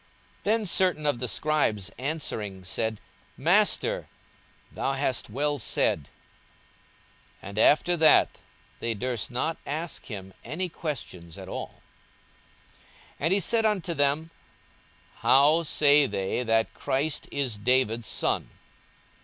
42:020:039 Then certain of the scribes answering said, Master, thou hast well said. 42:020:040 And after that they durst not ask him any question at all. 42:020:041 And he said unto them, How say they that Christ is David's son?